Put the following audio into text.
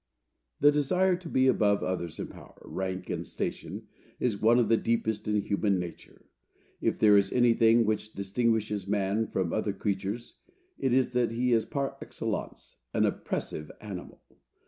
The desire to be above others in power, rank and station, is one of the deepest in human nature. If there is anything which distinguishes man from other creatures, it is that he is par excellence an oppressive animal.